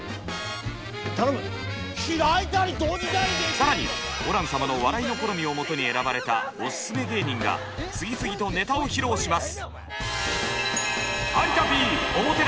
更にホラン様の笑いの好みをもとに選ばれたオススメ芸人が次々とネタを披露します！